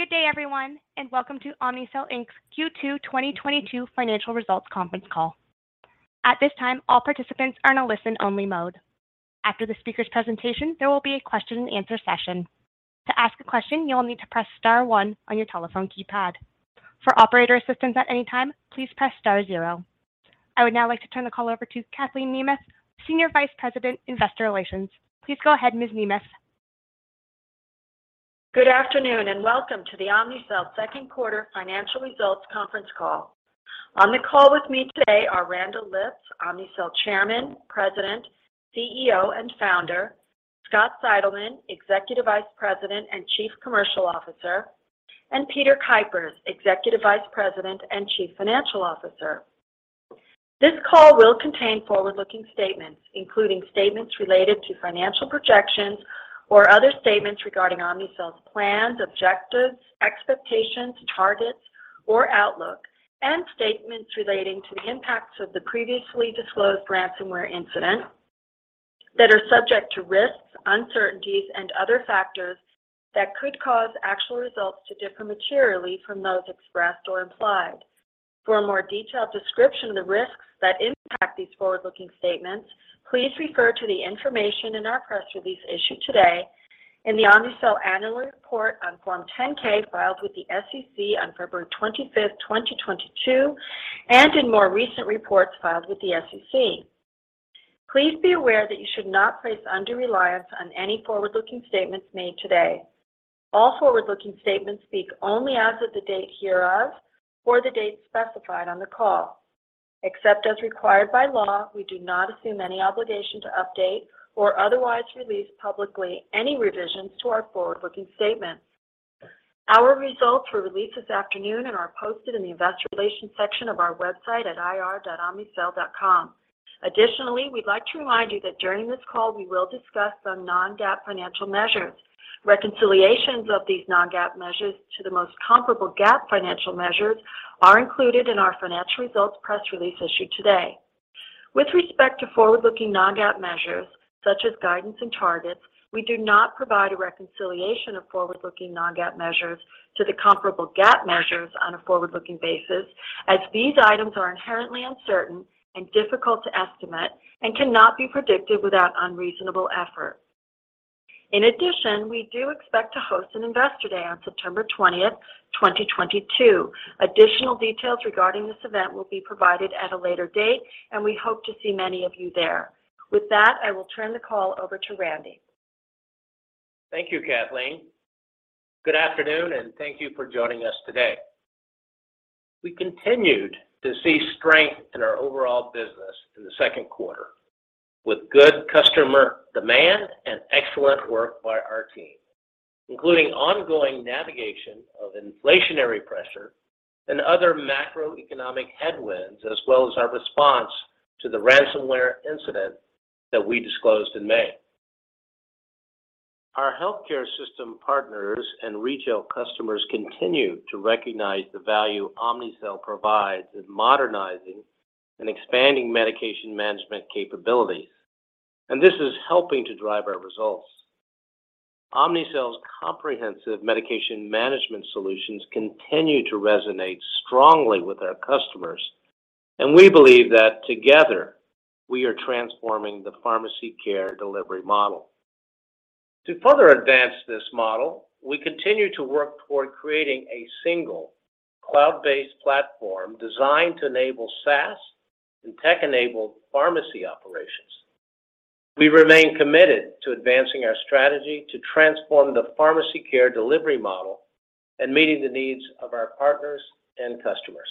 Good day, everyone, and welcome to Omnicell, Inc.’s Q2 2022 financial results conference call. At this time, all participants are in a listen-only mode. After the speaker's presentation, there will be a question-and-answer session. To ask a question, you'll need to press star one on your telephone keypad. For operator assistance at any time, please press star zero. I would now like to turn the call over to Kathleen Nemeth, Senior Vice President, Investor Relations. Please go ahead, Ms. Nemeth. Good afternoon, and welcome to the Omnicell second quarter financial results conference call. On the call with me today are Randall Lipps, Omnicell Chairman, President, CEO, and Founder, Scott Seidelmann, Executive Vice President and Chief Commercial Officer, and Peter Kuypers, Executive Vice President and Chief Financial Officer. This call will contain forward-looking statements, including statements related to financial projections or other statements regarding Omnicell's plans, objectives, expectations, targets, or outlook, and statements relating to the impacts of the previously disclosed ransomware incident that are subject to risks, uncertainties, and other factors that could cause actual results to differ materially from those expressed or implied. For a more detailed description of the risks that impact these forward-looking statements, please refer to the information in our press release issued today, in the Omnicell annual report on Form 10-K filed with the SEC on February 25, 2022, and in more recent reports filed with the SEC. Please be aware that you should not place undue reliance on any forward-looking statements made today. All forward-looking statements speak only as of the date hereof or the date specified on the call. Except as required by law, we do not assume any obligation to update or otherwise release publicly any revisions to our forward-looking statements. Our results were released this afternoon and are posted in the investor relations section of our website at ir.omnicell.com. Additionally, we'd like to remind you that during this call, we will discuss some non-GAAP financial measures. Reconciliations of these non-GAAP measures to the most comparable GAAP financial measures are included in our financial results press release issued today. With respect to forward-looking non-GAAP measures, such as guidance and targets, we do not provide a reconciliation of forward-looking non-GAAP measures to the comparable GAAP measures on a forward-looking basis as these items are inherently uncertain and difficult to estimate and cannot be predicted without unreasonable effort. In addition, we do expect to host an Investor Day on September 20, 2022. Additional details regarding this event will be provided at a later date, and we hope to see many of you there. With that, I will turn the call over to Randy. Thank you, Kathleen. Good afternoon, and thank you for joining us today. We continued to see strength in our overall business in the second quarter with good customer demand and excellent work by our team, including ongoing navigation of inflationary pressure and other macroeconomic headwinds, as well as our response to the ransomware incident that we disclosed in May. Our healthcare system partners and retail customers continue to recognize the value Omnicell provides in modernizing and expanding medication management capabilities, and this is helping to drive our results. Omnicell's comprehensive medication management solutions continue to resonate strongly with our customers, and we believe that together we are transforming the pharmacy care delivery model. To further advance this model, we continue to work toward creating a single cloud-based platform designed to enable SaaS and tech-enabled pharmacy operations. We remain committed to advancing our strategy to transform the pharmacy care delivery model and meeting the needs of our partners and customers.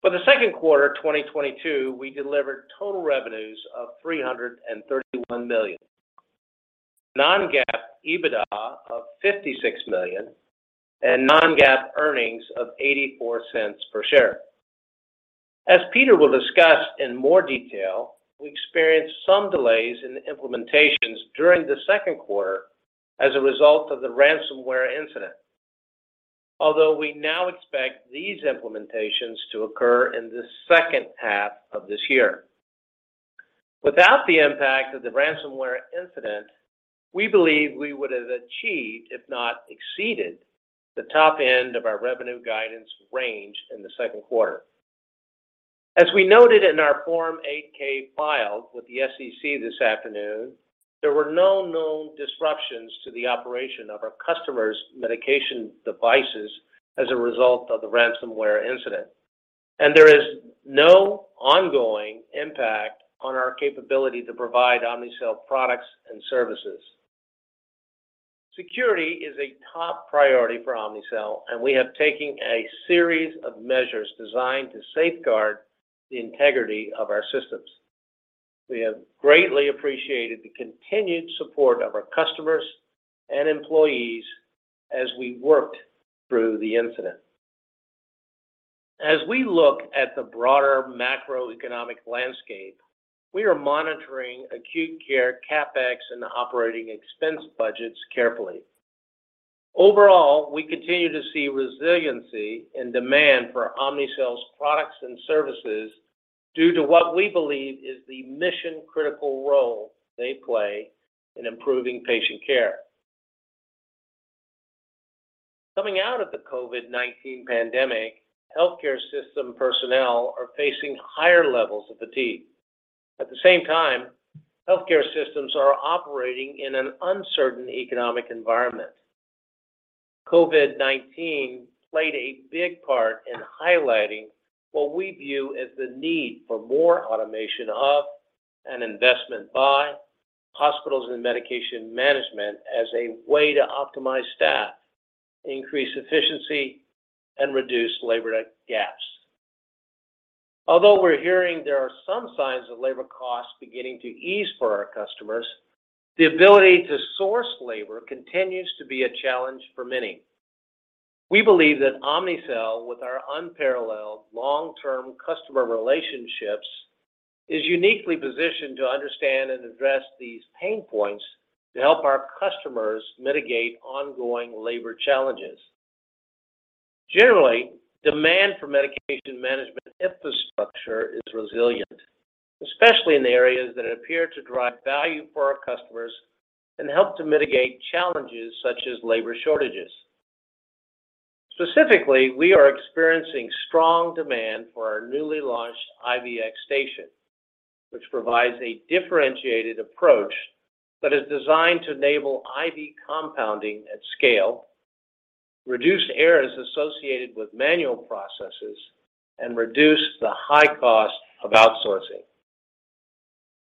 For the second quarter of 2022, we delivered total revenues of $331 million, non-GAAP EBITDA of $56 million, and non-GAAP earnings of $0.84 per share. As Peter will discuss in more detail, we experienced some delays in the implementations during the second quarter as a result of the ransomware incident. Although we now expect these implementations to occur in the second half of this year. Without the impact of the ransomware incident, we believe we would have achieved, if not exceeded, the top end of our revenue guidance range in the second quarter. As we noted in our Form 8-K filed with the SEC this afternoon, there were no known disruptions to the operation of our customers' medication devices as a result of the ransomware incident, and there is no ongoing impact on our capability to provide Omnicell products and services. Security is a top priority for Omnicell, and we have taken a series of measures designed to safeguard the integrity of our systems. We have greatly appreciated the continued support of our customers and employees as we worked through the incident. As we look at the broader macroeconomic landscape, we are monitoring acute care CapEx and operating expense budgets carefully. Overall, we continue to see resiliency and demand for Omnicell's products and services. Due to what we believe is the mission-critical role they play in improving patient care. Coming out of the COVID-19 pandemic, healthcare system personnel are facing higher levels of fatigue. At the same time, healthcare systems are operating in an uncertain economic environment. COVID-19 played a big part in highlighting what we view as the need for more automation of and investment by hospitals and medication management as a way to optimize staff, increase efficiency, and reduce labor gaps. Although we're hearing there are some signs of labor costs beginning to ease for our customers, the ability to source labor continues to be a challenge for many. We believe that Omnicell, with our unparalleled long-term customer relationships, is uniquely positioned to understand and address these pain points to help our customers mitigate ongoing labor challenges. Generally, demand for medication management infrastructure is resilient, especially in the areas that appear to drive value for our customers and help to mitigate challenges such as labor shortages. Specifically, we are experiencing strong demand for our newly launched IVX Station, which provides a differentiated approach that is designed to enable IV compounding at scale, reduce errors associated with manual processes, and reduce the high cost of outsourcing.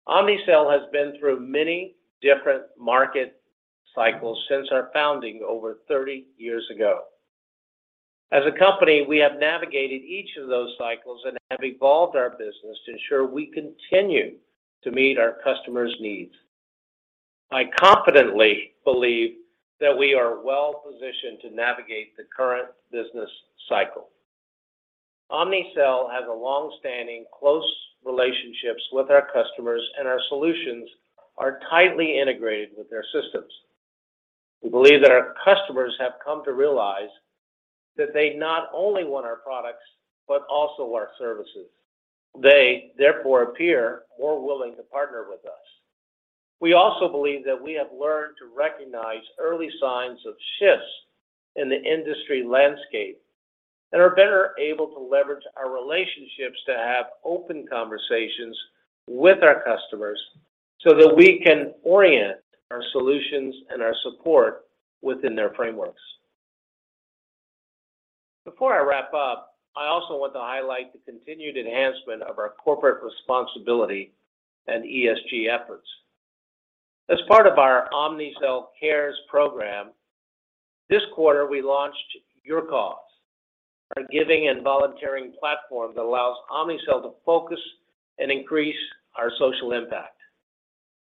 Omnicell has been through many different market cycles since our founding over 30 years ago. As a company, we have navigated each of those cycles and have evolved our business to ensure we continue to meet our customers' needs. I confidently believe that we are well-positioned to navigate the current business cycle. Omnicell has long-standing, close relationships with our customers, and our solutions are tightly integrated with their systems. We believe that our customers have come to realize that they not only want our products, but also our services. They, therefore, appear more willing to partner with us. We also believe that we have learned to recognize early signs of shifts in the industry landscape and are better able to leverage our relationships to have open conversations with our customers so that we can orient our solutions and our support within their frameworks. Before I wrap up, I also want to highlight the continued enhancement of our corporate responsibility and ESG efforts. As part of ourOmnicellCares program, this quarter, we launched YourCause, our giving and volunteering platform that allows Omnicell to focus and increase our social impact.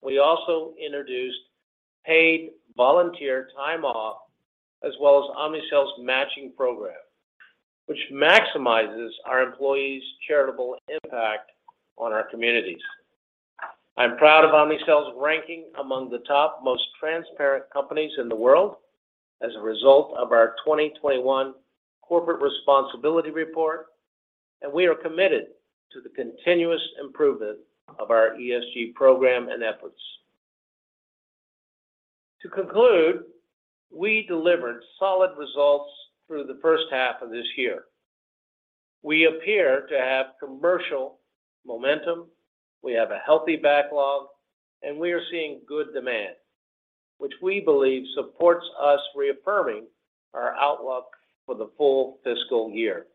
We also introduced paid volunteer time off as well as Omnicell's matching program, which maximizes our employees' charitable impact on our communities. I'm proud of Omnicell's ranking among the top most transparent companies in the world as a result of our 2021 corporate responsibility report, and we are committed to the continuous improvement of our ESG program and efforts. To conclude, we delivered solid results through the first half of this year. We appear to have commercial momentum, we have a healthy backlog, and we are seeing good demand, which we believe supports us reaffirming our outlook for the full fiscal year.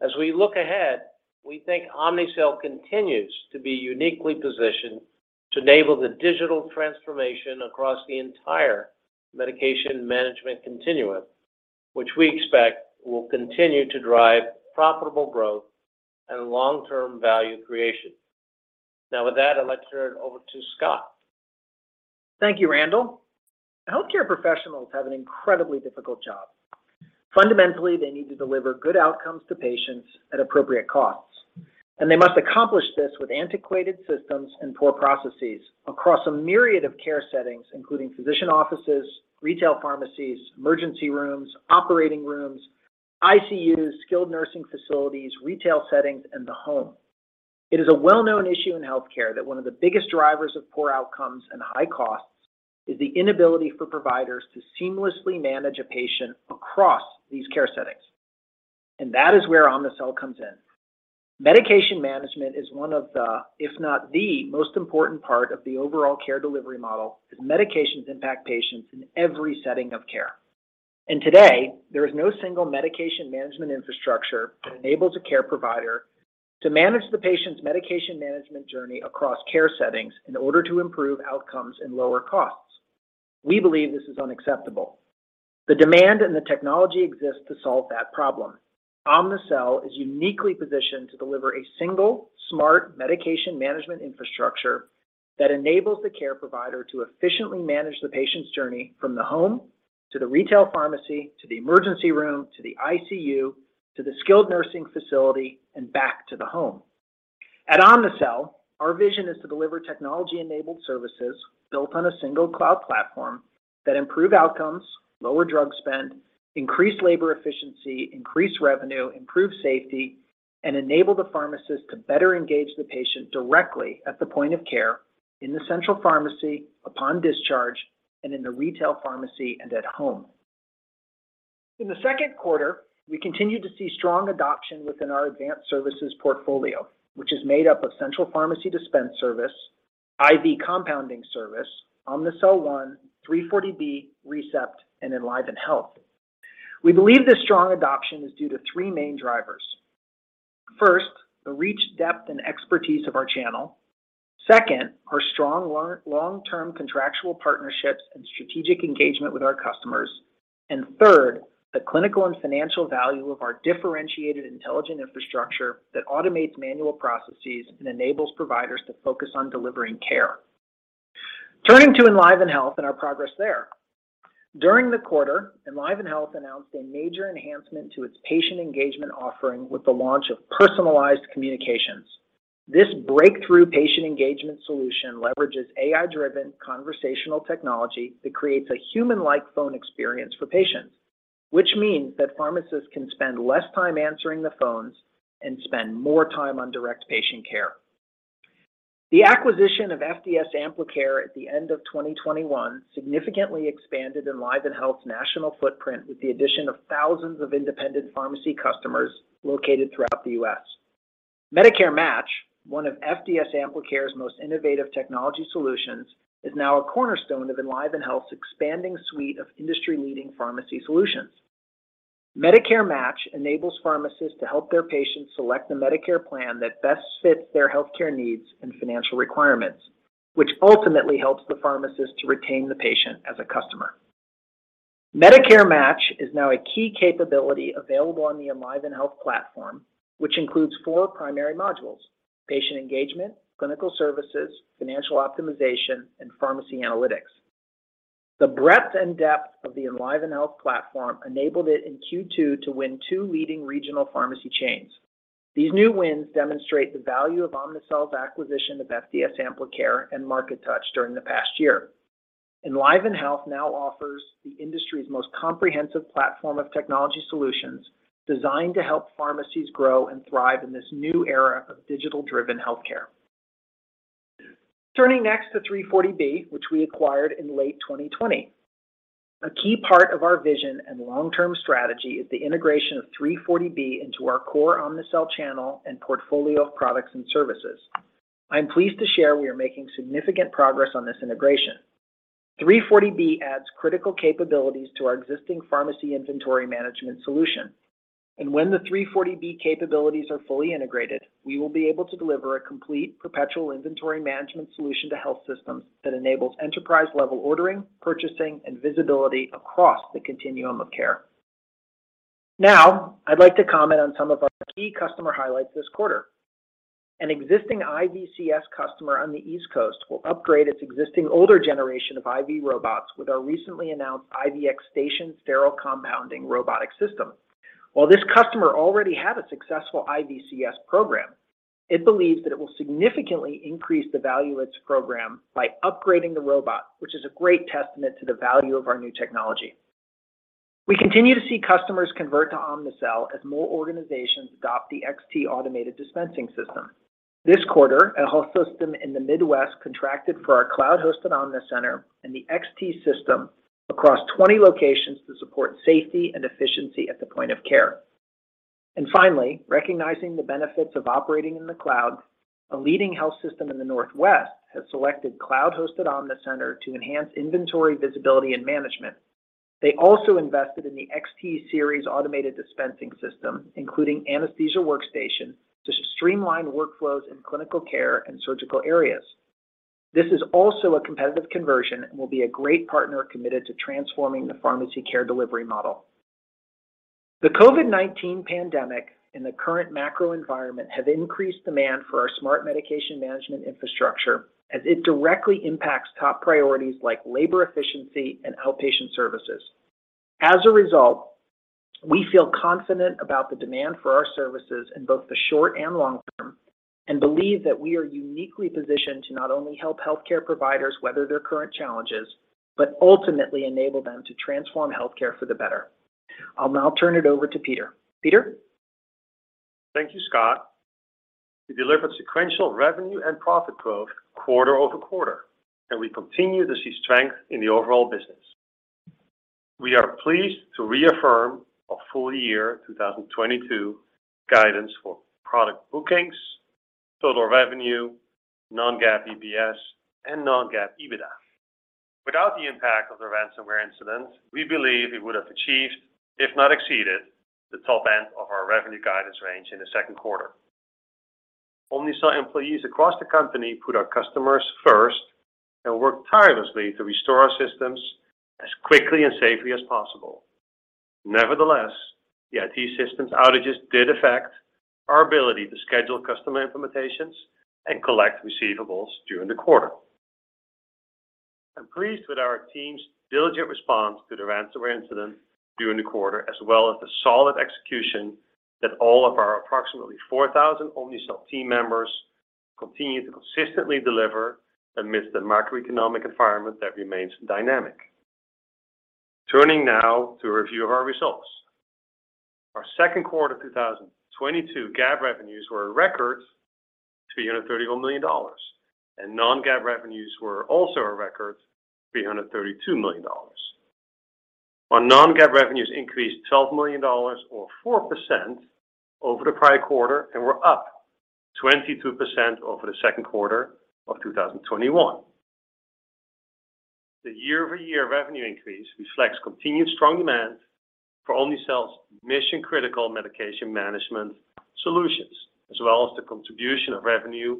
As we look ahead, we think Omnicell continues to be uniquely positioned to enable the digital transformation across the entire medication management continuum, which we expect will continue to drive profitable growth and long-term value creation. Now, with that, I'd like to turn it over to Scott. Thank you, Randall. Healthcare professionals have an incredibly difficult job. Fundamentally, they need to deliver good outcomes to patients at appropriate costs, and they must accomplish this with antiquated systems and poor processes across a myriad of care settings, including physician offices, retail pharmacies, emergency rooms, operating rooms, ICUs, skilled nursing facilities, retail settings, and the home. It is a well-known issue in healthcare that one of the biggest drivers of poor outcomes and high costs is the inability for providers to seamlessly manage a patient across these care settings, and that is where Omnicell comes in. Medication management is one of the, if not the most important part of the overall care delivery model as medications impact patients in every setting of care. Today, there is no single medication management infrastructure that enables a care provider to manage the patient's medication management journey across care settings in order to improve outcomes and lower costs. We believe this is unacceptable. The demand and the technology exists to solve that problem. Omnicell is uniquely positioned to deliver a single, smart medication management infrastructure that enables the care provider to efficiently manage the patient's journey from the home to the retail pharmacy, to the emergency room, to the ICU, to the skilled nursing facility, and back to the home. At Omnicell, our vision is to deliver technology-enabled services built on a single cloud platform that improve outcomes, lower drug spend, increase labor efficiency, increase revenue, improve safety, and enable the pharmacist to better engage the patient directly at the point of care in the central pharmacy, upon discharge, and in the retail pharmacy and at home. In the second quarter, we continued to see strong adoption within our advanced services portfolio, which is made up of Central Pharmacy Dispensing Service, IV Compounding Service, Omnicell One, 340B, ReCept, and EnlivenHealth. We believe this strong adoption is due to three main drivers. First, the reach, depth, and expertise of our channel. Second, our strong long-term contractual partnerships and strategic engagement with our customers. Third, the clinical and financial value of our differentiated intelligent infrastructure that automates manual processes and enables providers to focus on delivering care. Turning to EnlivenHealth and our progress there. During the quarter, EnlivenHealth announced a major enhancement to its patient engagement offering with the launch of personalized communications. This breakthrough patient engagement solution leverages AI-driven conversational technology that creates a human-like phone experience for patients, which means that pharmacists can spend less time answering the phones and spend more time on direct patient care. The acquisition of FDS Amplicare at the end of 2021 significantly expanded EnlivenHealth's national footprint with the addition of thousands of independent pharmacy customers located throughout the U.S. Medicare Match, one of FDS Amplicare's most innovative technology solutions, is now a cornerstone of EnlivenHealth's expanding suite of industry-leading pharmacy solutions. Medicare Match enables pharmacists to help their patients select the Medicare plan that best fits their healthcare needs and financial requirements, which ultimately helps the pharmacist to retain the patient as a customer. Medicare Match is now a key capability available on the EnlivenHealth platform, which includes four primary modules, patient engagement, clinical services, financial optimization, and pharmacy analytics. The breadth and depth of the EnlivenHealth platform enabled it in Q2 to win two leading regional pharmacy chains. These new wins demonstrate the value of Omnicell's acquisition of FDS Amplicare and MarkeTouch Media during the past year. EnlivenHealth now offers the industry's most comprehensive platform of technology solutions designed to help pharmacies grow and thrive in this new era of digital-driven healthcare. Turning next to 340B, which we acquired in late 2020. A key part of our vision and long-term strategy is the integration of 340B into our core Omnicell channel and portfolio of products and services. I'm pleased to share we are making significant progress on this integration. 340B adds critical capabilities to our existing pharmacy inventory management solution. When the 340B capabilities are fully integrated, we will be able to deliver a complete perpetual inventory management solution to health systems that enables enterprise-level ordering, purchasing, and visibility across the continuum of care. Now, I'd like to comment on some of our key customer highlights this quarter. An existing IVCS customer on the East Coast will upgrade its existing older generation of IV robots with our recently announced IVX Station sterile compounding robotic system. While this customer already had a successful IVCS program, it believes that it will significantly increase the value of its program by upgrading the robot, which is a great testament to the value of our new technology. We continue to see customers convert to Omnicell as more organizations adopt the XT automated dispensing system. This quarter, a health system in the Midwest contracted for our cloud-hosted Omnicell and the XT system across 20 locations to support safety and efficiency at the point of care. Finally, recognizing the benefits of operating in the cloud, a leading health system in the Northwest has selected cloud-hosted Omnicell to enhance inventory visibility and management. They also invested in the XT series automated dispensing system, including Anesthesia Workstation, to streamline workflows in clinical care and surgical areas. This is also a competitive conversion and will be a great partner committed to transforming the pharmacy care delivery model. The COVID-19 pandemic and the current macro environment have increased demand for our smart medication management infrastructure as it directly impacts top priorities like labor efficiency and outpatient services. As a result, we feel confident about the demand for our services in both the short- and long-term, and believe that we are uniquely positioned to not only help healthcare providers whether their current challenges, but ultimately enable them to transform healthcare for the better. I'll now turn it over to Peter. Peter? Thank you, Scott. We delivered sequential revenue and profit growth quarter over quarter, and we continue to see strength in the overall business. We are pleased to reaffirm our full year 2022 guidance for product bookings, total revenue, non-GAAP EPS, and non-GAAP EBITDA. Without the impact of the ransomware incident, we believe we would have achieved, if not exceeded, the top end of our revenue guidance range in the second quarter. Omnicell employees across the company put our customers first and worked tirelessly to restore our systems as quickly and safely as possible. Nevertheless, the IT systems outages did affect our ability to schedule customer implementations and collect receivables during the quarter. I'm pleased with our team's diligent response to the ransomware incident during the quarter, as well as the solid execution that all of our approximately 4,000 Omnicell team members continue to consistently deliver amidst the macroeconomic environment that remains dynamic. Turning now to a review of our results. Our second quarter 2022 GAAP revenues were a record $331 million, and non-GAAP revenues were also a record $332 million. Our non-GAAP revenues increased $12 million or 4% over the prior quarter and were up 22% over the second quarter of 2021. The year-over-year revenue increase reflects continued strong demand for Omnicell's mission-critical medication management solutions, as well as the contribution of revenue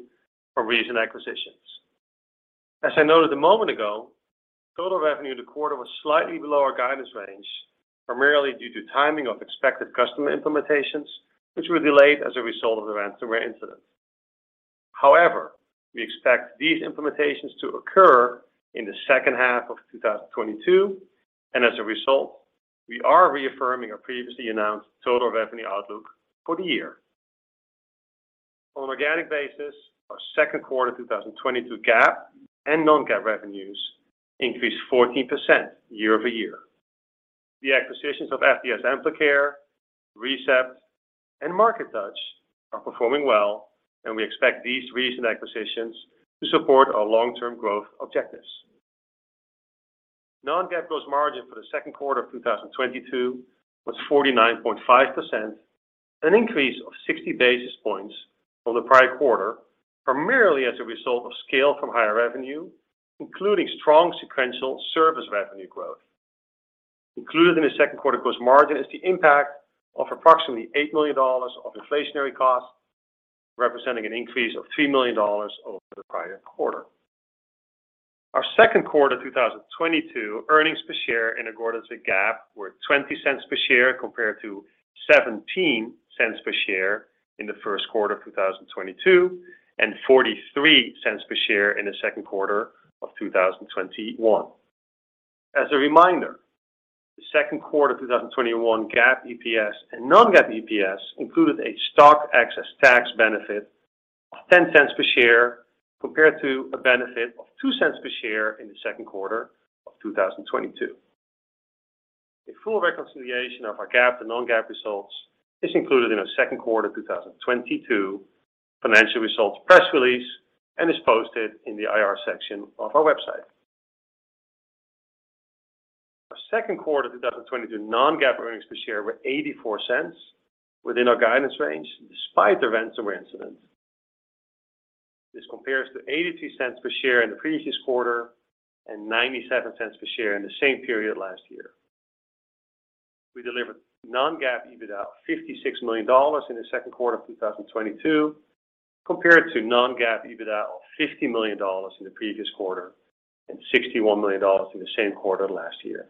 from recent acquisitions. As I noted a moment ago, total revenue in the quarter was slightly below our guidance range, primarily due to timing of expected customer implementations, which were delayed as a result of the ransomware incident. However, we expect these implementations to occur in the second half of 2022, and as a result, we are reaffirming our previously announced total revenue outlook for the year. On an organic basis, our second quarter 2022 GAAP and non-GAAP revenues increased 14% year-over-year. The acquisitions of FDS Amplicare, ReCept, and MarkeTouch are performing well, and we expect these recent acquisitions to support our long-term growth objectives. Non-GAAP gross margin for the second quarter of 2022 was 49.5%, an increase of 60 basis points from the prior quarter, primarily as a result of scale from higher revenue, including strong sequential service revenue growth. Included in the second quarter gross margin is the impact of approximately $8 million of inflationary costs, representing an increase of $3 million over the prior quarter. Our second quarter 2022 earnings per share in accordance with GAAP were $0.20 per share compared to $0.17 per share in the first quarter of 2022 and $0.43 per share in the second quarter of 2021. As a reminder, the second quarter 2021 GAAP EPS and non-GAAP EPS included a stock excess tax benefit of $0.10 per share compared to a benefit of $0.02 per share in the second quarter of 2022. A full reconciliation of our GAAP and non-GAAP results is included in our second quarter 2022 financial results press release and is posted in the IR section of our website. Our second quarter 2022 non-GAAP earnings per share were $0.84 within our guidance range despite the ransomware incident. This compares to $0.82 per share in the previous quarter and $0.97 per share in the same period last year. We delivered non-GAAP EBITDA of $56 million in the second quarter of 2022 compared to non-GAAP EBITDA of $50 million in the previous quarter and $61 million in the same quarter last year.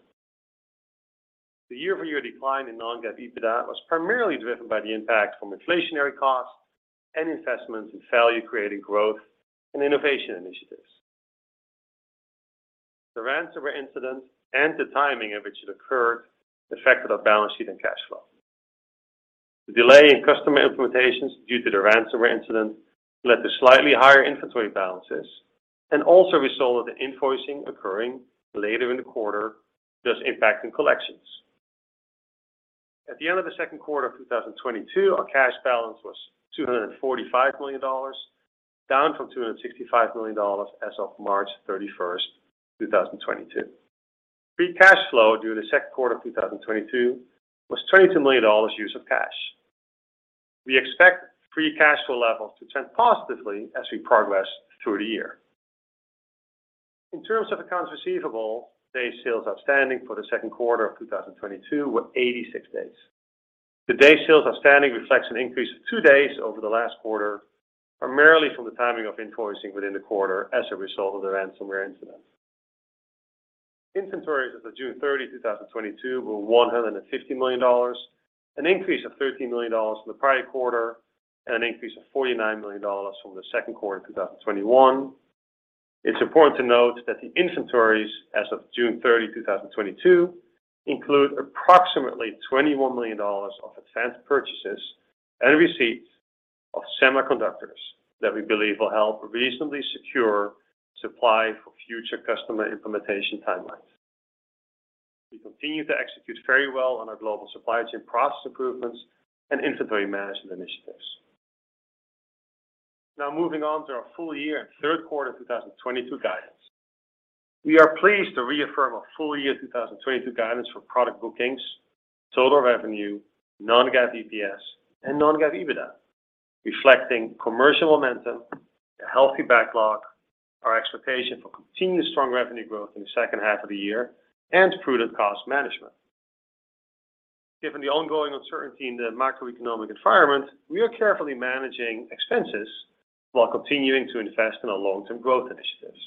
The year-over-year decline in non-GAAP EBITDA was primarily driven by the impact from inflationary costs and investments in value-creating growth and innovation initiatives. The ransomware incident and the timing of which it occurred affected our balance sheet and cash flow. The delay in customer implementations due to the ransomware incident led to slightly higher inventory balances and also resulted in invoicing occurring later in the quarter, thus impacting collections. At the end of the second quarter of 2022, our cash balance was $245 million, down from $265 million as of March 31st, 2022. Free cash flow during the second quarter of 2022 was $22 million use of cash. We expect free cash flow levels to trend positively as we progress through the year. In terms of accounts receivable, days sales outstanding for the second quarter of 2022 were 86 days. The days sales outstanding reflects an increase of 2 days over the last quarter, primarily from the timing of invoicing within the quarter as a result of the ransomware incident. Inventories as of June 30, 2022 were $150 million, an increase of $13 million from the prior quarter and an increase of $49 million from the second quarter of 2021. It's important to note that the inventories as of June 30, 2022 include approximately $21 million of advanced purchases and receipts of semiconductors that we believe will help reasonably secure supply for future customer implementation timelines. We continue to execute very well on our global supply chain process improvements and inventory management initiatives. Now moving on to our full year and third quarter 2022 guidance. We are pleased to reaffirm our full year 2022 guidance for product bookings, total revenue, non-GAAP EPS, and non-GAAP EBITDA, reflecting commercial momentum, a healthy backlog, our expectation for continued strong revenue growth in the second half of the year, and prudent cost management. Given the ongoing uncertainty in the macroeconomic environment, we are carefully managing expenses while continuing to invest in our long-term growth initiatives.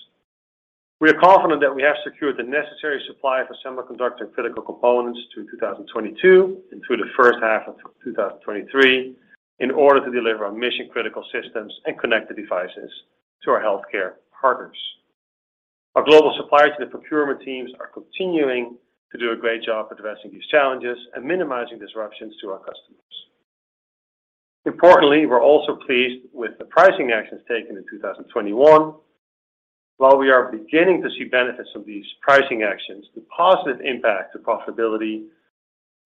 We are confident that we have secured the necessary supply of semiconductor and critical components through 2022 and through the first half of 2023 in order to deliver our mission-critical systems and connected devices to our healthcare partners. Our global supply to the procurement teams are continuing to do a great job addressing these challenges and minimizing disruptions to our customers. Importantly, we're also pleased with the pricing actions taken in 2021. While we are beginning to see benefits of these pricing actions, the positive impact to profitability,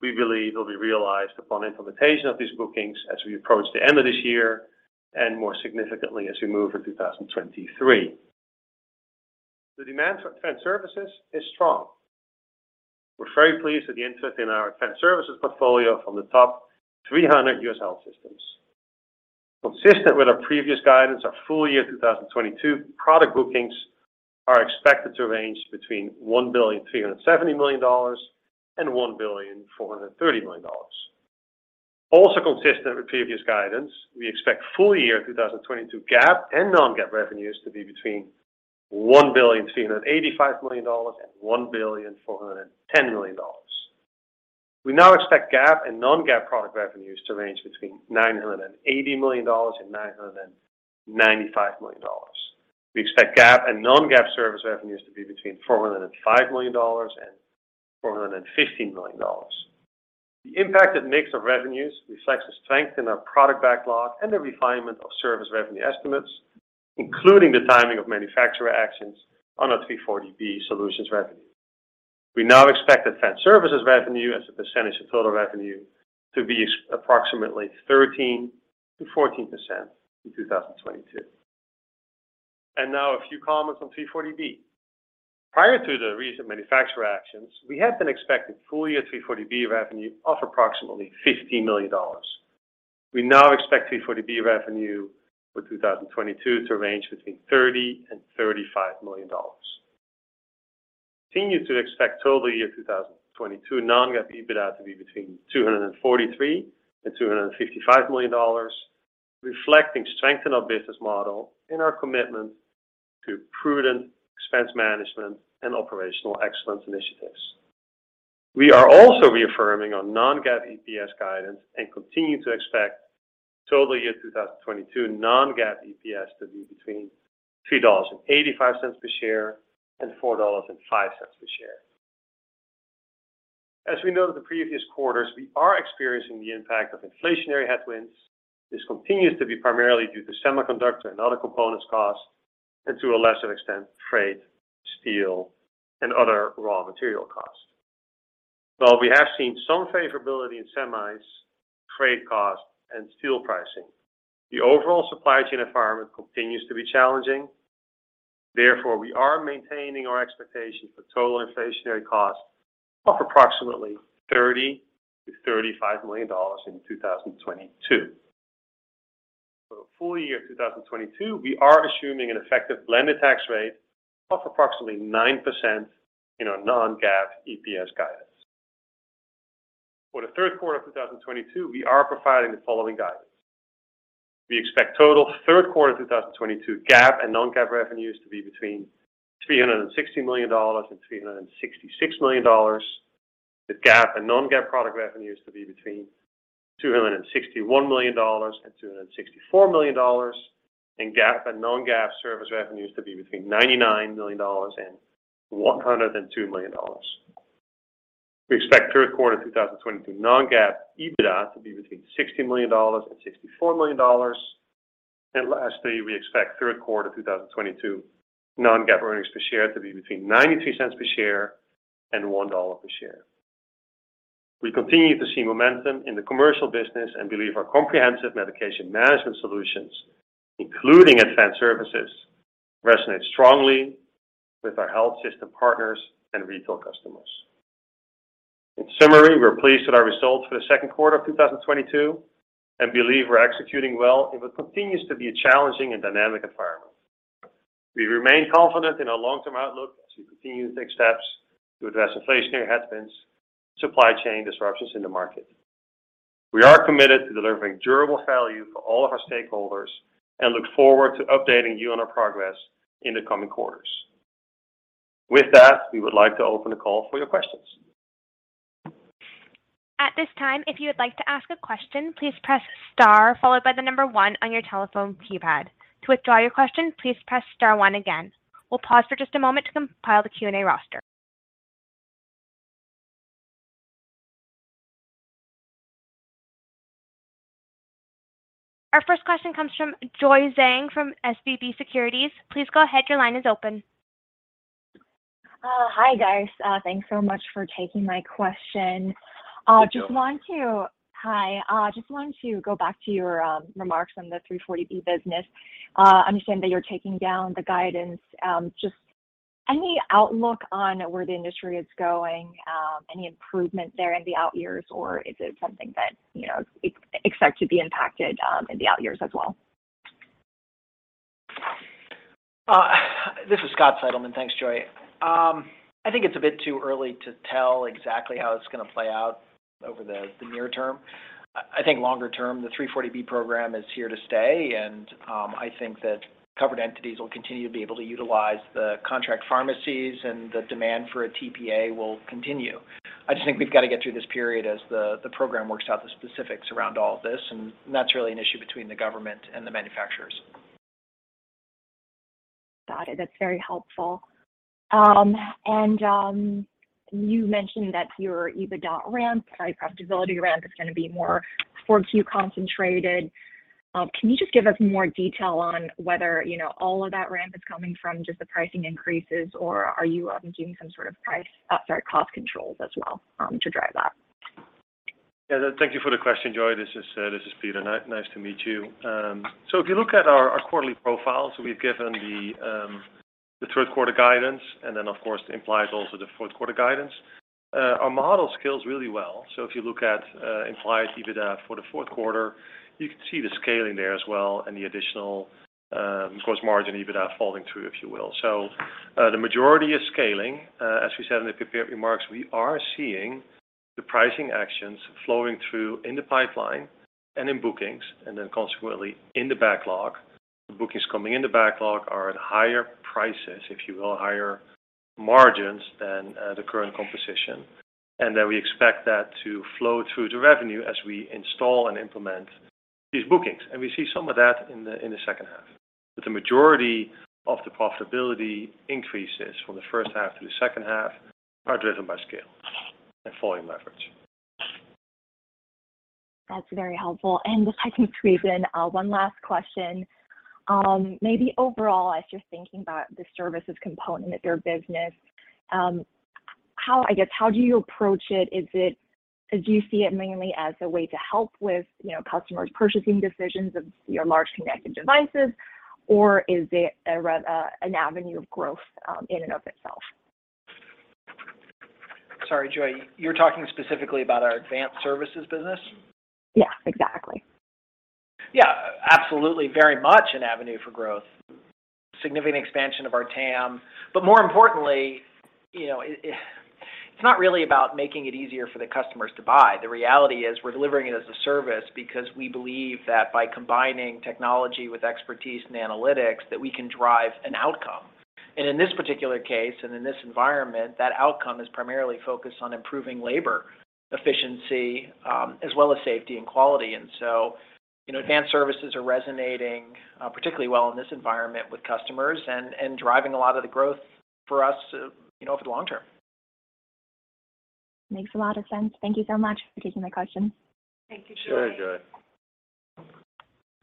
we believe, will be realized upon implementation of these bookings as we approach the end of this year and more significantly as we move through 2023. The demand for advanced services is strong. We're very pleased with the interest in our advanced services portfolio from the top 300 U.S. health systems. Consistent with our previous guidance, our full year 2022 product bookings are expected to range between $1.37 billion and $1.43 billion. Also consistent with previous guidance, we expect full year 2022 GAAP and non-GAAP revenues to be between $1.385 billion and $1.41 billion. We now expect GAAP and non-GAAP product revenues to range between $980 million and $995 million. We expect GAAP and non-GAAP service revenues to be between $405 million and $450 million. The impact it makes on revenues reflects the strength in our product backlog and the refinement of service revenue estimates, including the timing of manufacturer actions on our 340B solutions revenue. We now expect advanced services revenue as a percentage of total revenue to be approximately 13%–14% in 2022. Now a few comments on 340B. Prior to the recent manufacturer actions, we had been expecting full year 340B revenue of approximately $50 million. We now expect 340B revenue for 2022 to range between $30 million and $35 million. Continue to expect total year 2022 non-GAAP EBITDA to be between $243 million and $255 million, reflecting strength in our business model and our commitment to prudent expense management and operational excellence initiatives. We are also reaffirming our non-GAAP EPS guidance and continue to expect total year 2022 non-GAAP EPS to be between $3.85 per share and $4.05 per share. As we noted the previous quarters, we are experiencing the impact of inflationary headwinds. This continues to be primarily due to semiconductor and other components costs and to a lesser extent, freight, steel, and other raw material costs. While we have seen some favorability in semis, freight costs, and steel pricing, the overall supply chain environment continues to be challenging. Therefore, we are maintaining our expectation for total inflationary costs of approximately $30–$35 million in 2022. For the full year 2022, we are assuming an effective blended tax rate of approximately 9% in our non-GAAP EPS guidance. For the third quarter of 2022, we are providing the following guidance. We expect total third quarter 2022 GAAP and non-GAAP revenues to be between $360 million and $366 million, with GAAP and non-GAAP product revenues to be between $261 million and $264 million, and GAAP and non-GAAP service revenues to be between $99 million and $102 million. We expect third quarter 2022 non-GAAP EBITDA to be between $60 million and $64 million. Lastly, we expect third quarter 2022 non-GAAP earnings per share to be between $0.92 per share and $1 per share. We continue to see momentum in the commercial business and believe our comprehensive medication management solutions, including advanced services, resonate strongly with our health system partners and retail customers. In summary, we're pleased with our results for the second quarter of 2022 and believe we're executing well in what continues to be a challenging and dynamic environment. We remain confident in our long-term outlook as we continue to take steps to address inflationary headwinds, supply chain disruptions in the market. We are committed to delivering durable value for all of our stakeholders and look forward to updating you on our progress in the coming quarters. With that, we would like to open the call for your questions. At this time, if you would like to ask a question, please press star followed by the number one on your telephone keypad. To withdraw your question, please press star one again. We'll pause for just a moment to compile the Q&A roster. Our first question comes from Joy Zhang from SVB Securities. Please go ahead, your line is open. Hi guys. Thanks so much for taking my question. Good, Joy. Just wanted to go back to your remarks on the 340B business. I understand that you're taking down the guidance. Just any outlook on where the industry is going, any improvement there in the out years, or is it something that, you know, expect to be impacted in the out years as well? This is Scott Seidelmann. Thanks, Joy. I think it's a bit too early to tell exactly how it's going to play out over the near term. I think longer term, the 340B program is here to stay, and I think that covered entities will continue to be able to utilize the contract pharmacies and the demand for a TPA will continue. I just think we've got to get through this period as the program works out the specifics around all of this, and that's really an issue between the government and the manufacturers. Got it. That's very helpful. You mentioned that your profitability ramp is going to be more 4Q concentrated. Can you just give us more detail on whether, you know, all of that ramp is coming from just the pricing increases, or are you doing some sort of cost controls as well to drive that? Yeah. Thank you for the question, Joy. This is Peter. Nice to meet you. If you look at our quarterly profiles, we've given the third quarter guidance, and then, of course, the implied also the fourth quarter guidance. Our model scales really well. If you look at implied EBITDA for the fourth quarter, you can see the scaling there as well and the additional, of course, margin EBITDA falling through, if you will. The majority is scaling. As we said in the prepared remarks, we are seeing the pricing actions flowing through in the pipeline and in bookings, and then consequently in the backlog. The bookings coming in the backlog are at higher prices, if you will, higher margins than the current composition, and then we expect that to flow through to revenue as we install and implement these bookings. We see some of that in the second half. The majority of the profitability increases from the first half to the second half are driven by scale and volume leverage. That's very helpful. If I can squeeze in one last question. Maybe overall as you're thinking about the services component of your business, how, I guess, how do you approach it? Do you see it mainly as a way to help with, you know, customers' purchasing decisions of your large connected devices, or is it an avenue of growth in and of itself? Sorry, Joy. You're talking specifically about our advanced services business? Yeah, exactly. Yeah. Absolutely, very much an avenue for growth. Significant expansion of our TAM. More importantly, you know, it's not really about making it easier for the customers to buy. The reality is we're delivering it as a service because we believe that by combining technology with expertise and analytics, that we can drive an outcome. In this particular case, and in this environment, that outcome is primarily focused on improving labor efficiency, as well as safety and quality. You know, advanced services are resonating particularly well in this environment with customers and driving a lot of the growth for us, you know, over the long term. Makes a lot of sense. Thank you so much for taking my question. Thank you, Joy. Sure, Joy.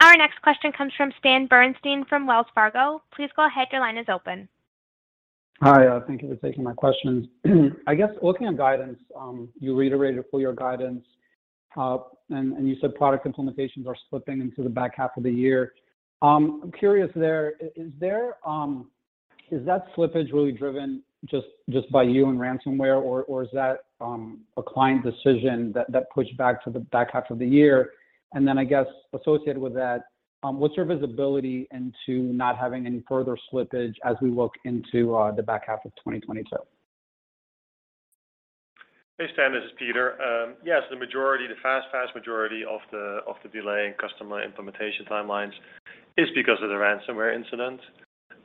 Our next question comes from Stanislav Berenshteyn from Wells Fargo Securities. Please go ahead. Your line is open. Hi. Thank you for taking my question. I guess looking at guidance, you reiterated full year guidance, and you said product implementations are slipping into the back half of the year. I'm curious there, is that slippage really driven just by you and ransomware or is that a client decision that pushed back to the back half of the year? Then I guess associated with that, what's your visibility into not having any further slippage as we look into the back half of 2022? Hey, Stanislav Berenshteyn. This is Peter Kuipers. Yes, the majority, the vast majority of the delay in customer implementation timelines is because of the ransomware incident.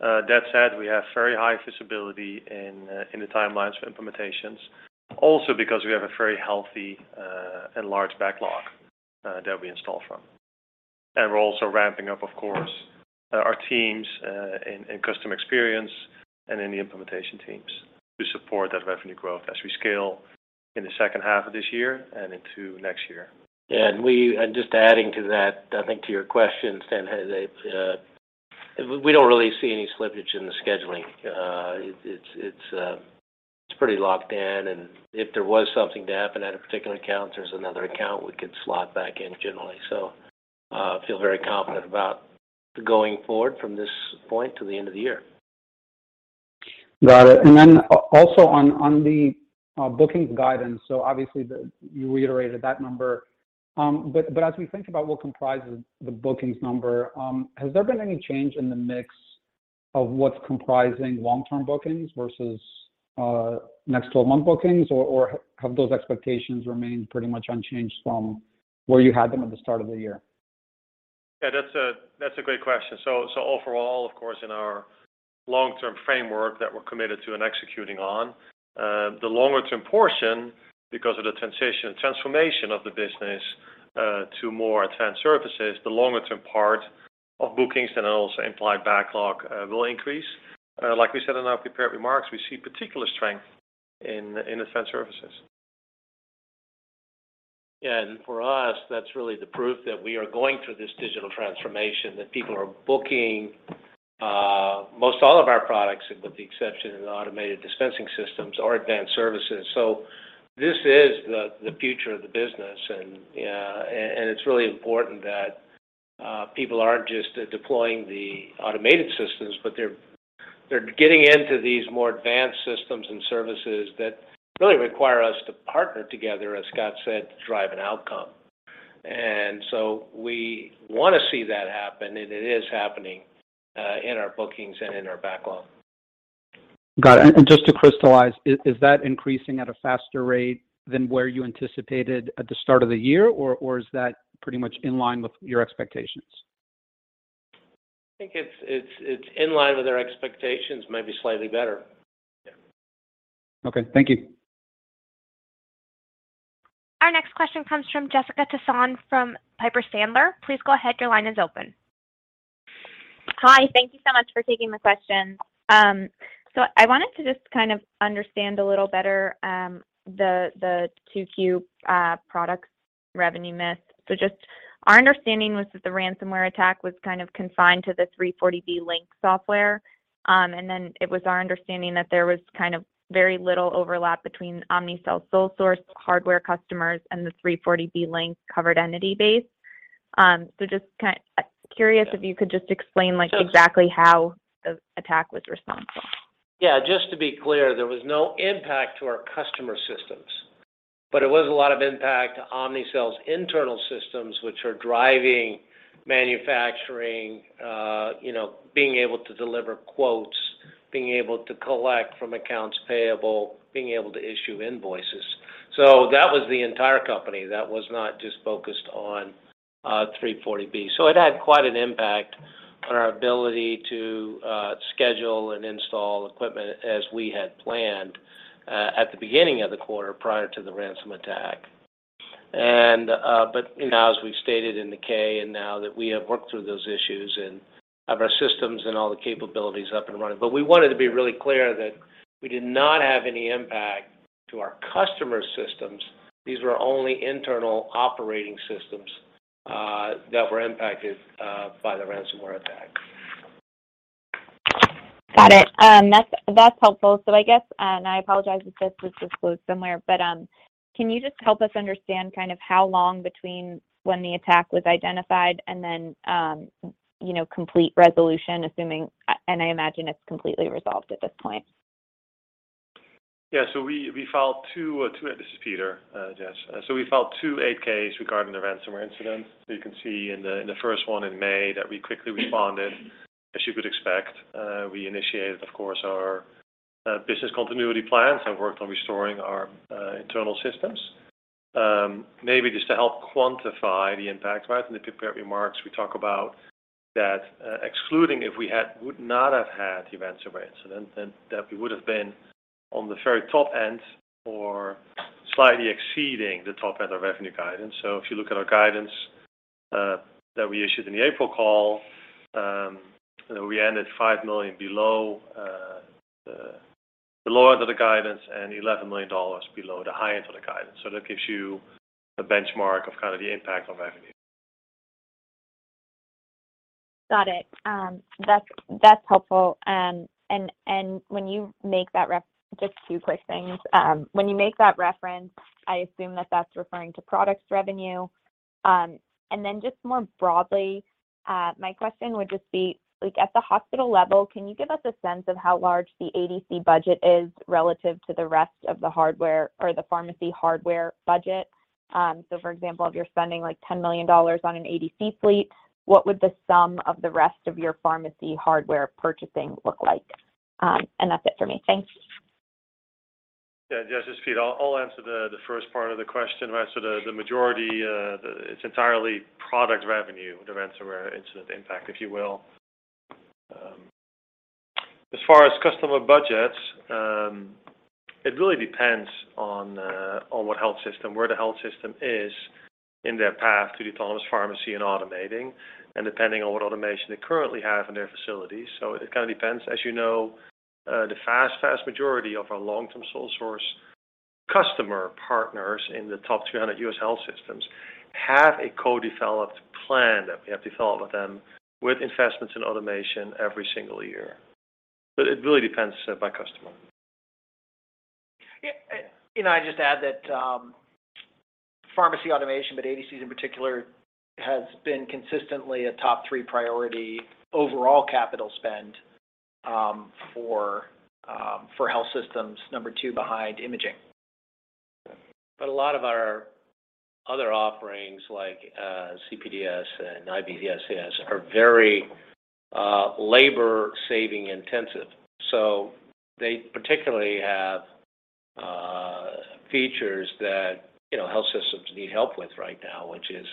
That said, we have very high visibility in the timelines for implementations, also because we have a very healthy and large backlog that we install from. We're also ramping up, of course, our teams in customer experience and in the implementation teams to support that revenue growth as we scale in the second half of this year and into next year. Just adding to that, I think to your question, Stan, we don't really see any slippage in the scheduling. It's pretty locked in, and if there was something to happen at a particular account, there's another account we could slot back in generally. Feel very confident about going forward from this point to the end of the year. Got it. Also on the bookings guidance, so obviously you reiterated that number. But as we think about what comprises the bookings number, has there been any change in the mix of what's comprising long-term bookings versus next 12-month bookings or have those expectations remained pretty much unchanged from where you had them at the start of the year? Yeah, that's a great question. Overall, of course, in our long-term framework that we're committed to and executing on, the longer term portion, because of the transformation of the business, to more advanced services, the longer term part of bookings and also implied backlog, will increase. Like we said in our prepared remarks, we see particular strength in advanced services. Yeah. For us, that's really the proof that we are going through this digital transformation, that people are booking most all of our products, with the exception of the automated dispensing systems or advanced services. This is the future of the business and it's really important that people aren't just deploying the automated systems, but they're getting into these more advanced systems and services that really require us to partner together, as Scott said, to drive an outcome. We want to see that happen, and it is happening in our bookings and in our backlog. Got it. Just to crystallize, is that increasing at a faster rate than where you anticipated at the start of the year, or is that pretty much in line with your expectations? I think it's in line with our expectations, maybe slightly better. Yeah. Okay. Thank you. Our next question comes from Jessica Tassan from Piper Sandler. Please go ahead. Your line is open. Hi. Thank you so much for taking the question. I wanted to just kind of understand a little better the 2Q products revenue miss. Just our understanding was that the ransomware attack was kind of confined to the 340B Link software. And then it was our understanding that there was kind of very little overlap between Omnicell's sole source hardware customers and the 340B Link covered entity base. Just curious if you could just explain, like, exactly how the attack was responsible. Yeah. Just to be clear, there was no impact to our customer systems, but it was a lot of impact to Omnicell's internal systems, which are driving manufacturing, you know, being able to deliver quotes, being able to collect from accounts payable, being able to issue invoices. So that was the entire company. That was not just focused on 340B. So it had quite an impact on our ability to schedule and install equipment as we had planned at the beginning of the quarter prior to the ransomware attack. Now as we've stated in the 8-K, now that we have worked through those issues and have our systems and all the capabilities up and running. We wanted to be really clear that we did not have any impact to our customer systems. These were only internal operating systems that were impacted by the ransomware attack. Got it. That's helpful. I guess I apologize if this was disclosed somewhere, but can you just help us understand kind of how long between when the attack was identified and then, you know, complete resolution. I imagine it's completely resolved at this point. We filed two 8-Ks regarding the ransomware incident. This is Peter, Jess. You can see in the first one in May that we quickly responded, as you would expect. We initiated, of course, our business continuity plans and worked on restoring our internal systems. Maybe just to help quantify the impact, right, in the prepared remarks, we talk about that, excluding if we would not have had the ransomware incident, then that we would have been on the very top end or slightly exceeding the top end of revenue guidance. If you look at our guidance that we issued in the April call, we ended $5 million below the low end of the guidance and $11 million below the high end of the guidance. that gives you the benchmark of kind of the impact on revenue. Got it. That's helpful. Just two quick things. When you make that reference, I assume that's referring to product revenue. Just more broadly, my question would just be, like, at the hospital level, can you give us a sense of how large the ADC budget is relative to the rest of the hardware or the pharmacy hardware budget? For example, if you're spending, like, $10 million on an ADC fleet, what would the sum of the rest of your pharmacy hardware purchasing look like? That's it for me. Thanks. Yeah. Jess, it's Peter. I'll answer the first part of the question. The majority, it's entirely product revenue, the ransomware incident impact, if you will. As far as customer budgets, it really depends on where the health system is in their path to the autonomous pharmacy and automating, and depending on what automation they currently have in their facilities. It kind of depends. As you know, the vast majority of our long-term sole source customer partners in the top 200 U.S. health systems have a co-developed plan that we have developed with them with investments in automation every single year. It really depends by customer. Yeah. I just add that, pharmacy automation, but ADCs in particular, has been consistently a top three priority overall capital spend, for health systems, number two behind imaging. A lot of our other offerings, like, CPDS and IVCS, are very, labor saving intensive. So they particularly have, features that, you know, health systems need help with right now, which is,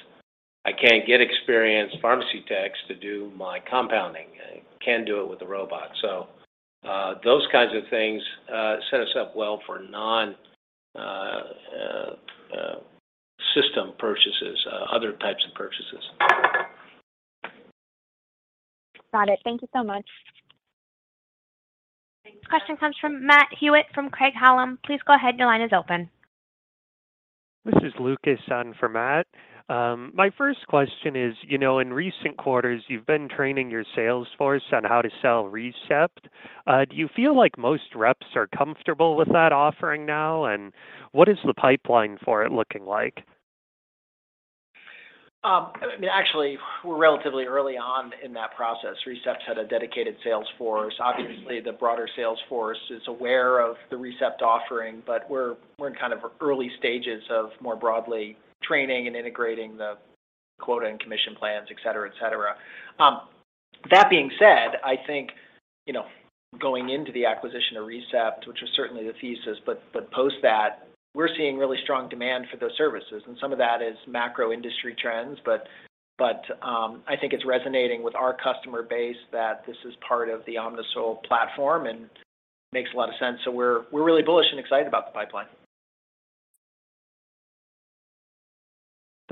"I can't get experienced pharmacy techs to do my compounding. I can do it with a robot." So, those kinds of things, set us up well for non-system purchases, other types of purchases. Got it. Thank you so much. This question comes from Matt Hewitt from Craig-Hallum Capital Group. Please go ahead. Your line is open. This is Lucas on for Matt. My first question is, you know, in recent quarters, you've been training your sales force on how to sell ReCept. Do you feel like most reps are comfortable with that offering now? What is the pipeline for it looking like? I mean, actually, we're relatively early on in that process. ReCept's had a dedicated sales force. Obviously, the broader sales force is aware of the ReCept offering, but we're in kind of early stages of more broadly training and integrating the quota and commission plans, et cetera, et cetera. That being said, I think, you know, going into the acquisition of ReCept, which was certainly the thesis, but I think it's resonating with our customer base that this is part of the Omnicell platform, and Makes a lot of sense. We're really bullish and excited about the pipeline.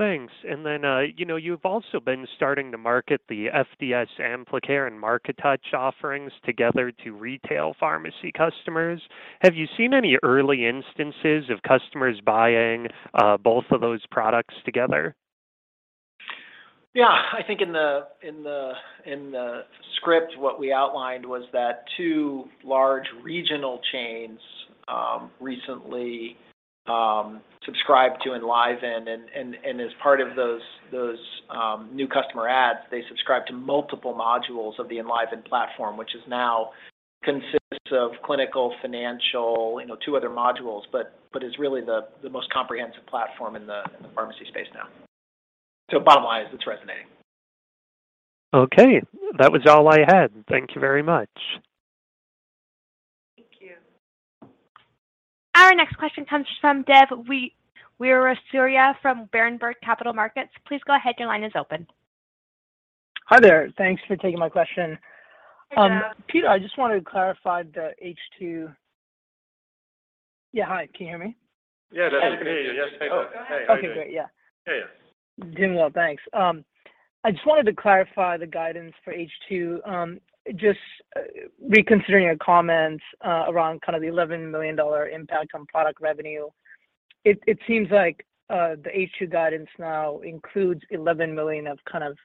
Thanks. You know, you've also been starting to market the FDS Amplicare and MarkeTouch offerings together to retail pharmacy customers. Have you seen any early instances of customers buying both of those products together? Yeah. I think in the script, what we outlined was that two large regional chains recently subscribed to Enliven and as part of those new customer adds, they subscribed to multiple modules of the Enliven platform, which is now consists of clinical, financial, you know, two other modules, but is really the most comprehensive platform in the pharmacy space now. Bottom line is it's resonating. Okay. That was all I had. Thank you very much. Thank you. Our next question comes from Dev Weeraratne from Berenberg Capital Markets. Please go ahead, your line is open. Hi there. Thanks for taking my question. Hi, Dev. Peter, yeah, hi. Can you hear me? Yeah, that's me. Yes, hey. Oh, okay, great. Yeah. Hey. Doing well, thanks. I just wanted to clarify the guidance for H2, just reconsidering your comments, around kind of the $11 million impact on product revenue. It seems like the H2 guidance now includes $11 million of kind of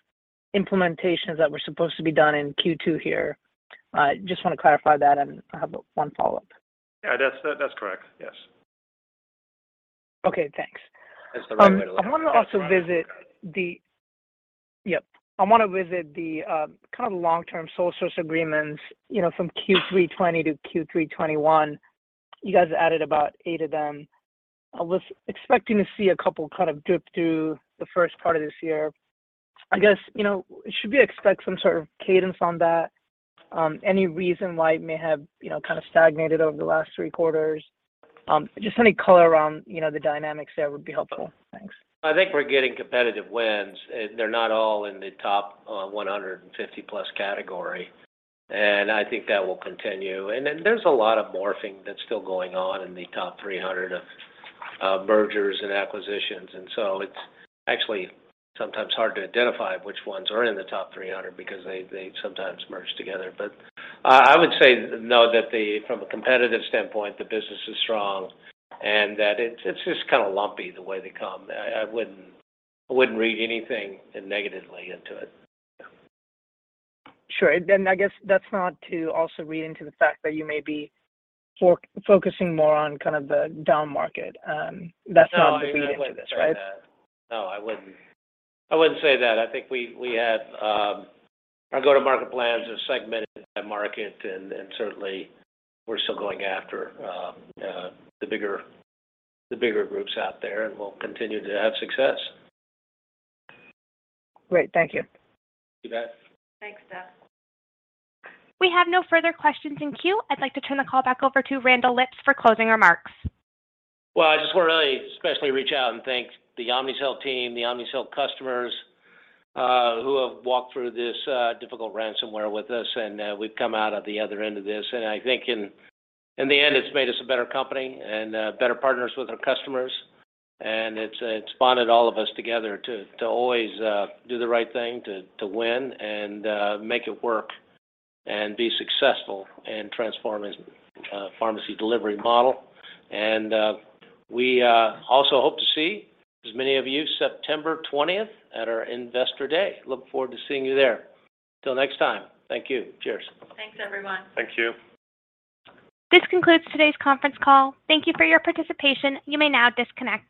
implementations that were supposed to be done in Q2 here. Just want to clarify that, and I have one follow-up. Yeah, that's correct. Yes. Okay, thanks. That's the right way to look at it. I want to visit the kind of long-term sole source agreements, you know, from Q3 2020 to Q3 2021. You guys added about eight of them. I was expecting to see a couple kind of drip through the first part of this year. I guess, you know, should we expect some sort of cadence on that? Any reason why it may have, you know, kind of stagnated over the last three quarters? Just any color around, you know, the dynamics there would be helpful. Thanks. I think we're getting competitive wins. They're not all in the top 150+ category, and I think that will continue. There's a lot of morphing that's still going on in the top 300 of mergers and acquisitions. It's actually sometimes hard to identify which ones are in the top 300 because they sometimes merge together. I would say know that the, from a competitive standpoint, the business is strong and that it's just kind of lumpy the way they come. I wouldn't read anything negatively into it. Sure. I guess that's not to also read into the fact that you may be focusing more on kind of the down market, that's not to read into this, right? No, I wouldn't say that. I think we had our go-to-market plans are segmented by market and certainly we're still going after the bigger groups out there, and we'll continue to have success. Great. Thank you. Thank you, Dev. Thanks, Dev. We have no further questions in queue. I'd like to turn the call back over to Randall Lipps for closing remarks. Well, I just want to really especially reach out and thank the Omnicell team, the Omnicell customers, who have walked through this difficult ransomware with us, and we've come out at the other end of this. I think in the end, it's made us a better company and better partners with our customers, and it's bonded all of us together to always do the right thing to win and make it work and be successful in transforming pharmacy delivery model. We also hope to see as many of you September 20 at our Investor Day. Look forward to seeing you there. Until next time, thank you. Cheers. Thanks, everyone. Thank you. This concludes today's conference call. Thank you for your participation. You may now disconnect.